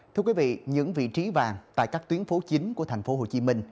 thưa quý vị những vị trí vàng tại các tuyến phố chính của thành phố hồ chí minh